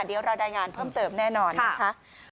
เดี๋ยวเรารายงานเพิ่มเติมแน่นอนนะคะ